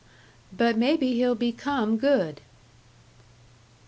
But maybe he'll become good."